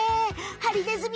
ハリネズミ？